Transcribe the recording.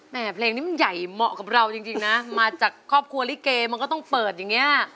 เพลงนี้มันใหญ่เหมาะกับเราจริงนะมาจากครอบครัวลิเกมันก็ต้องเปิดอย่างเงี้ย